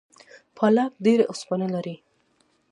پالک ډیره اوسپنه لري